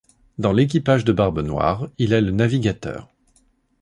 Dans l'équipage de Barbe Noire, il est le navigateur.